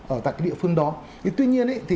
ở tại địa phương đó tuy nhiên thì